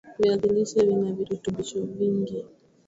viazi lishe vina virutubisho vingi